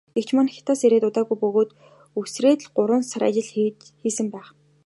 Эгч маань Хятадаас ирээд удаагүй бөгөөд үсрээд л гурван сар ажил хийсэн байх.